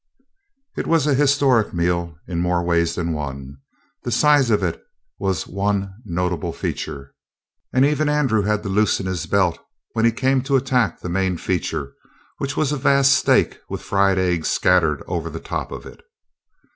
It was a historic meal in more than one way. The size of it was one notable feature, and even Andrew had to loosen his belt when he came to attack the main feature, which was a vast steak with fried eggs scattered over the top of it.